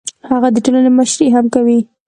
هغه د ټولنې مشري هم کوي.